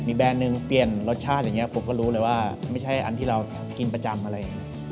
แบรนด์หนึ่งเปลี่ยนรสชาติอย่างนี้ผมก็รู้เลยว่าไม่ใช่อันที่เรากินประจำอะไรอย่างนี้